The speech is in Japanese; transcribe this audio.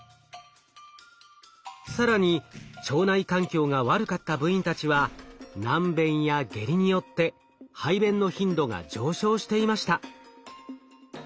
更に腸内環境が悪かった部員たちは軟便や下痢によって排便の頻度が上昇していました。